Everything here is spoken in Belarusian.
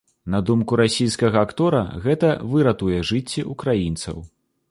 На думку расійскага актора, гэта выратуе жыцці ўкраінцаў.